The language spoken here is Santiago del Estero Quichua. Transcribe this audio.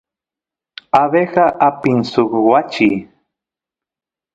abeja apin suk wachi